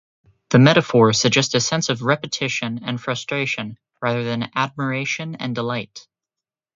The metaphor suggests a sense of repetition and frustration rather than admiration and delight.